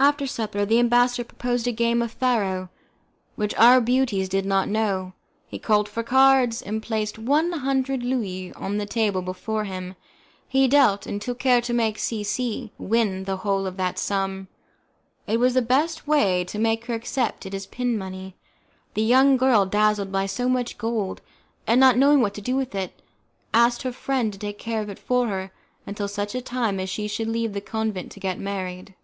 After supper, the ambassador proposed a game of faro, which our beauties did not know; he called for cards, and placed one hundred Louis on the table before him; he dealt, and took care to make C C win the whole of that sum. It was the best way to make her accept it as pin money. The young girl, dazzled by so much gold, and not knowing what to do with it, asked her friend to take care of it for her until such time as she should leave the convent to get married.